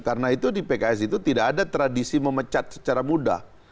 karena itu di pks itu tidak ada tradisi memecat secara mudah